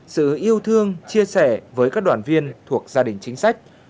sự yêu thương chia sẻ với các đoàn viên thuộc gia đình chính sách